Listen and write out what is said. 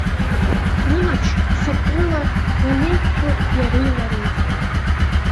Рылаԥшқәа ццакрыла инеиқәшәеит иареи лареи.